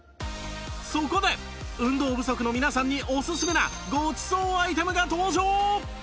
そこで運動不足の皆さんにおすすめなごちそうアイテムが登場！